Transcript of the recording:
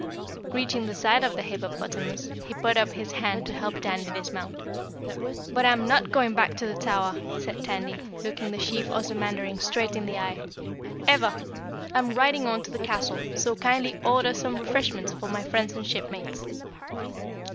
Reaching the side of the hippopotamus, he put up his hand to help Tandy dismount. "But I'm not going back to the Tower!" said Tandy, looking the Chief Ozamandarin straight in the eye. "Ever! I'm riding on to the castle, so kindly order some refreshments for my friends and shipmates."